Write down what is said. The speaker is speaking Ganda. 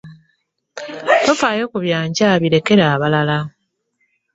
Tofaayo ku byankya birekere abalala.